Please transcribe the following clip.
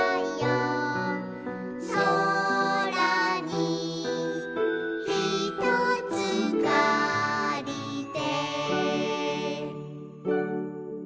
「そらにひとつかりて」